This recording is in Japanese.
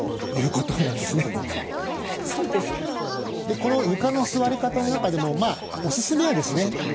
この床の座り方の中でもおすすめはですね